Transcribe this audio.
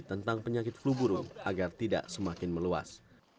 tentang penyakit fleburung agar tidak semakin meluas